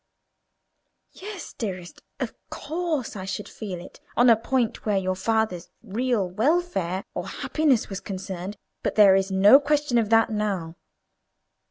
"Yes, dearest, of course I should feel it on a point where your father's real welfare or happiness was concerned; but there is no question of that now.